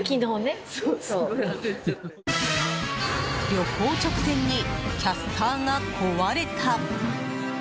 旅行直前にキャスターが壊れた。